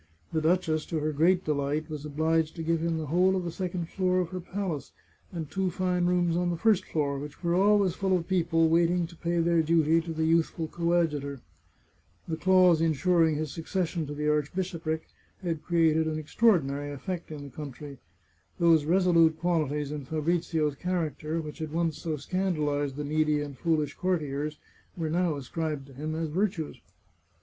The duchess, to her great delight, was obliged to give him the whole of the second floor of her palace, and two fine rooms on the first floor, which were always full of people waiting to pay their duty to the youth ful coadjutor. The clause insuring his succession to the archbishopric had created an extraordinary effect in the 483 The Chartreuse of Parma country. Those resolute qualities in Fabrizio's character, which had once so scandalized the needy and foolish cour tiers, were now ascribed to him as virtues.